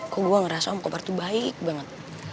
kok gue ngerasa om koper tuh baik banget